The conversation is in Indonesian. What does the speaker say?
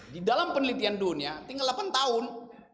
di dalam penelitian dunia tinggal delapan tahun